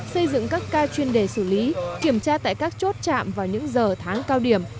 xây dựng các ca chuyên đề xử lý kiểm tra tại các chốt chạm vào những giờ tháng cao điểm